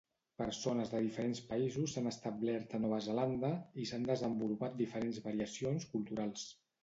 Persones de diferents països s'han establert a Nova Zelanda, i s'han desenvolupat diferents variacions culturals.